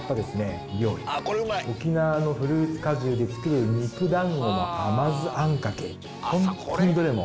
沖縄のフルーツ果汁で作る肉団子の甘酢あんかけ。